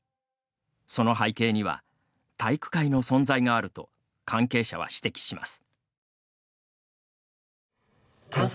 その背景には体育会の存在があると関係者は指摘します。